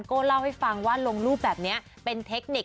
เล่าให้ฟังว่าลงรูปแบบนี้เป็นเทคนิค